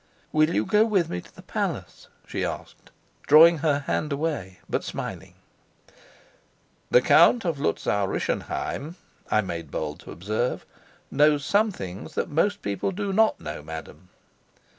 "Will you go with me to the palace?" she asked, drawing her hand away, but smiling. "The Count of Luzau Rischenheim," I made bold to observe, "knows some things that most people do not know, madam."